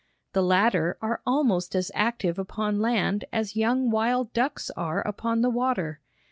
The latter are almost as active upon land as young wild ducks are upon the water.